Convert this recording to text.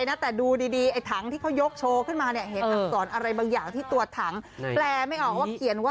เมตตาให้พรที่ขอไปนะคะเอาบุญมาปากทุกทุกคนค่ะ